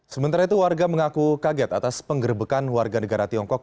sementara itu warga mengaku kaget atas penggerbekan warga negara tiongkok